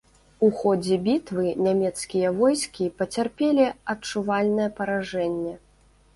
У ходзе бітвы нямецкія войскі пацярпелі адчувальнае паражэнне.